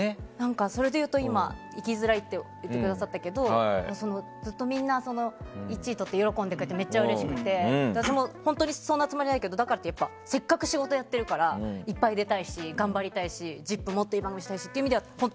それでいうと、今生きづらいって言っていただいたけどずっとみんな１位をとって喜んでくれてめっちゃうれしくて私、そんなつもりはないけどせっかく仕事をやっているからいっぱい出たいし、頑張りたいし「ＺＩＰ！」をもっと有名にしたいしってことで。